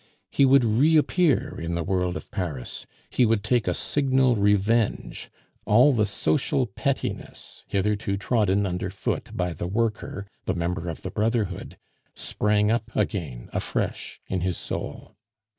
He would reappear in the world of Paris; he would take a signal revenge; all the social pettiness hitherto trodden under foot by the worker, the member of the brotherhood, sprang up again afresh in his soul.